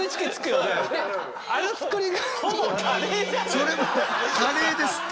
それもカレーですって！